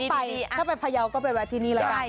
ถ้าไปพยาวก็ไปวัดที่นี้ละกัน